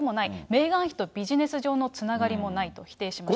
メーガン妃とビジネス上のつながりもないと否定しました。